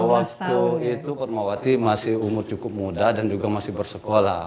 waktu itu fatmawati masih umur cukup muda dan juga masih bersekolah